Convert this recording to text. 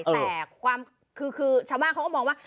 แต่คือชาวบ้านเขาก็มองว่า